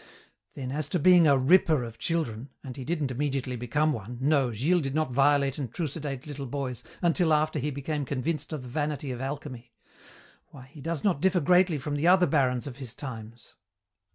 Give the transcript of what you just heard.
"Then as to being a 'ripper' of children and he didn't immediately become one, no, Gilles did not violate and trucidate little boys until after he became convinced of the vanity of alchemy why, he does not differ greatly from the other barons of his times.